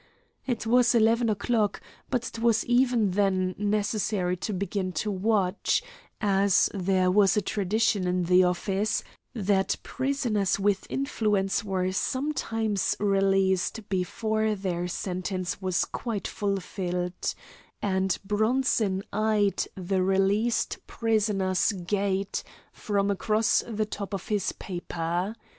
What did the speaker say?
It was eleven o'clock, but it was even then necessary to begin to watch, as there was a tradition in the office that prisoners with influence were sometimes released before their sentence was quite fulfilled, and Bronson eyed the "released prisoners' gate" from across the top of his paper.